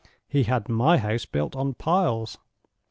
He had My house built on piles.